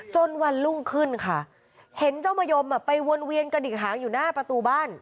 วันรุ่งขึ้นค่ะเห็นเจ้ามะยมไปวนเวียนกระดิกหางอยู่หน้าประตูบ้าน